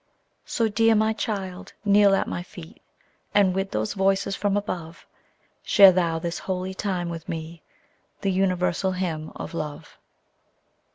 So, dear my child, kneel at my feet, And with those voices from above Share thou this holy time with me, The universal hymn of love.